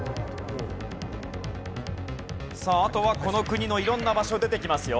さああとはこの国の色んな場所出てきますよ。